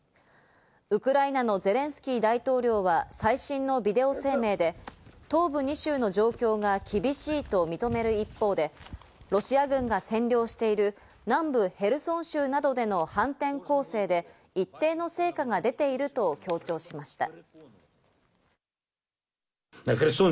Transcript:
ウクライナのゼレンスキー大統領は最新のビデオ声明で、東部２州の状況が厳しいと認める一方で、ロシア軍が占領している南部ヘルソン州などでの反転攻勢で、一定の成果が出ていると強調しました。